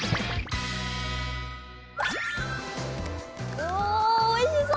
うおおいしそう！